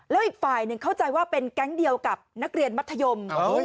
แล้วอีกฝ่ายหนึ่งเข้าใจว่าเป็นแก๊งเดียวกับนักเรียนมัธยม